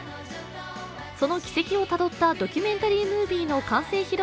その軌跡をたどったドキュメンタリームービーの完成披露